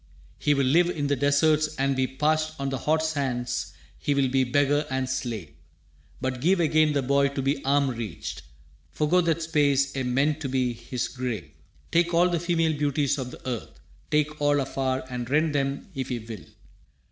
He will live in the deserts and be parched On the hot sands, he will be beggar and slave; But give again the boy to be arm reached! Forego that space ye meant to be his grave! Take all the female beauties of the earth! Take all afar and rend them if ye will!